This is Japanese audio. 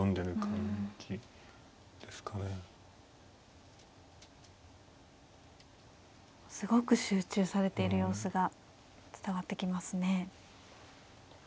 すごく集中されている様子が伝わってきますね。